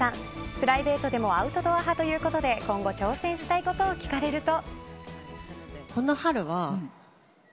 プライベートでもアウトドア派ということで今後挑戦したいことを聞かれると。